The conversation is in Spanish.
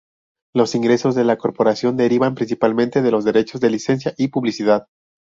Los ingresos de la Corporación derivan principalmente de los derechos de licencia y publicidad.